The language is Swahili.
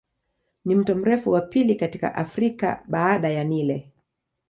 Ni mto mrefu wa pili katika Afrika baada ya Nile.